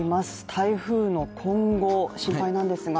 台風の今後、心配なんですが。